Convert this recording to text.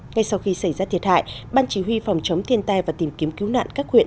ngay sau khi xảy ra thiệt hại ban chỉ huy phòng chống thiên tai và tìm kiếm cứu nạn các huyện